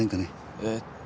えっと